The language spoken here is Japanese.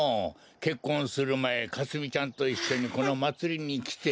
けっこんするまえかすみちゃんといっしょにこのまつりにきて。